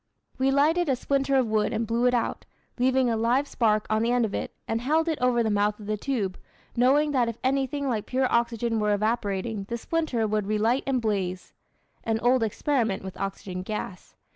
We lighted a splinter of wood and blew it out, leaving a live spark on the end of it, and held it over the mouth of the tube, knowing that if anything like pure oxygen were evaporating the splinter would relight and blaze (an old experiment with oxygen gas).